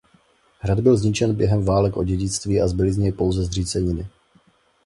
Hrad byl zničen během válek o dědictví a zbyly z něj pouze zříceniny.